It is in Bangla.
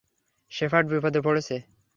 শেফার্ড বিপদে পড়েছে!